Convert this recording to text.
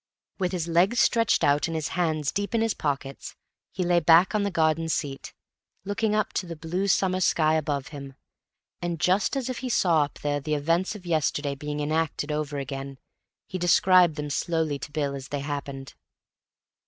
With his legs stretched out and his hands deep in his pockets, he lay back on the garden seat, looking up to the blue summer sky above him, and just as if he saw up there the events of yesterday being enacted over again, he described them slowly to Bill as they happened.